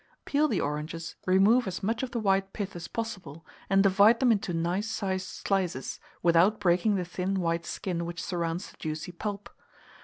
Peel the oranges, remove as much of the white pith as possible, and divide them into nice sized slices, without breaking the thin white skin which surrounds the juicy pulp.